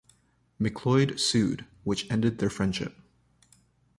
McLeod sued, which ended their friendship.